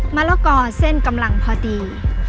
มะละกอเส้นกำลังพอดี